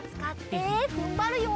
ふんばるよ。